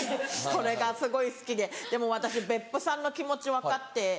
それがすごい好きででも私別府さんの気持ち分かって。